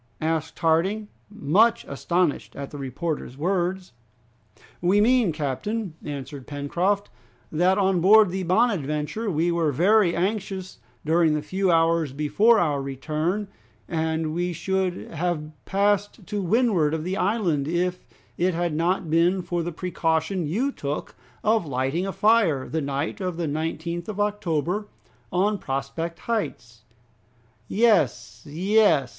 asked Harding, much astonished at the reporter's words. "We mean, captain," answered Pencroft, "that on board the 'Bonadventure' we were very anxious during the few hours before our return, and we should have passed to windward of the island, if it had not been for the precaution you took of lighting a fire the night of the 19th of October, on Prospect Heights." "Yes, yes!